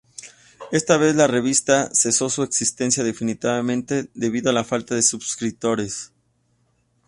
Esta vez la revista cesó su existencia definitivamente debido a la falta de suscriptores.